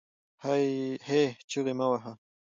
هې ! چیغې مه واهه